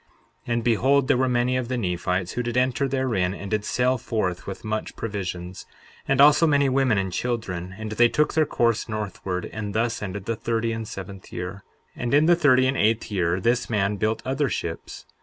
63:6 And behold, there were many of the Nephites who did enter therein and did sail forth with much provisions, and also many women and children; and they took their course northward. And thus ended the thirty and seventh year. 63:7 And in the thirty and eighth year, this man built other ships.